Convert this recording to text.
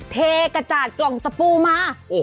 เทกระจาดกล่องสปูมา